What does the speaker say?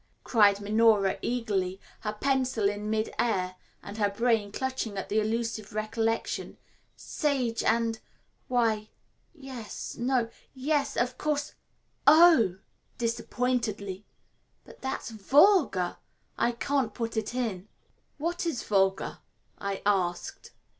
cried Minora eagerly, her pencil in mid air and her brain clutching at the elusive recollection, "sage and, why, yes, no, yes, of course oh," disappointedly, "but that's vulgar I can't put it in." "What is vulgar?" I asked.